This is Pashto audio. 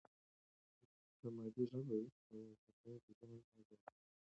که مادي ژبه وي، نو د زده کوونکي ذهن به آزاد وي.